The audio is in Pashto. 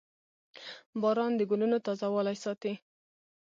• باران د ګلونو تازهوالی ساتي.